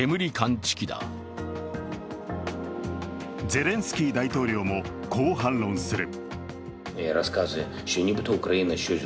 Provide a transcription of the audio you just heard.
ゼレンスキー大統領もこう反論する。